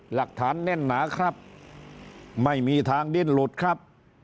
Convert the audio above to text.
หลักฐานแน่นหนาครับไม่มีทางดิ้นหลุดครับ